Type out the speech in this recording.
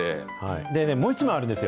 でね、もう１枚あるんですよ。